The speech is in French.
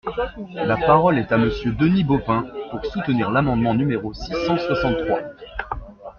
La parole est à Monsieur Denis Baupin, pour soutenir l’amendement numéro six cent soixante-trois.